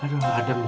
aduh ada nih